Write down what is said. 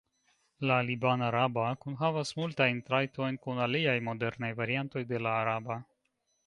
La liban-araba kunhavas multajn trajtojn kun aliaj modernaj variantoj de la araba.